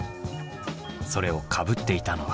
それをかぶっていたのは。